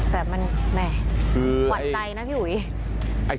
แต่มันแหม่หวั่นใจนะพี่อุ๋ย